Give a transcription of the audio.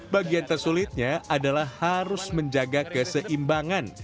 bagian tersulitnya adalah harus menjaga keseimbangan